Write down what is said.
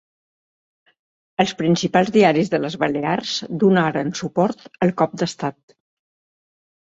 Els principals diaris de les Balears donaren suport al cop d'estat.